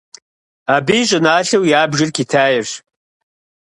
Абы и щӏыналъэу ябжыр Китайрщ.